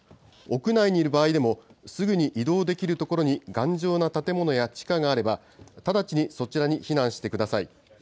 屋内にいる場合でも、すぐに移動できる所に頑丈な建物や地下があれば、直ちにそちらに避難してください。